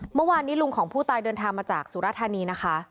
เมื่อวานนี้ลุงของผู้ตายเดินทางมาจากสุรธานีนะคะ